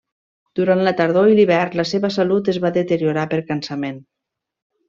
Durant la tardor i l'hivern, la seva salut es va deteriorar per cansament.